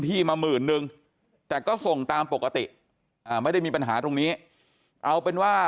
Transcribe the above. ที่มาหมื่นนึงแต่ก็ส่งตามปกติอ่าไม่ได้มีปัญหาตรงนี้เอาเป็นว่า